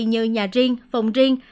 như nhà riêng phòng riêng